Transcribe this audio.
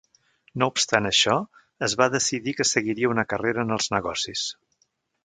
No obstant això, es va decidir que seguiria una carrera en els negocis.